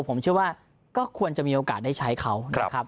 ผมเชื่อว่าก็ควรจะมีโอกาสได้ใช้เขานะครับ